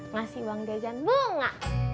ngasih uang dia jan bunga